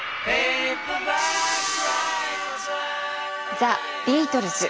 ザ・ビートルズ。